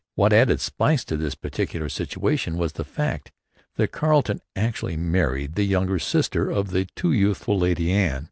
What added spice to this peculiar situation was the fact that Carleton actually married the younger sister of the too youthful Lady Anne.